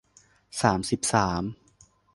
สามสิบสาม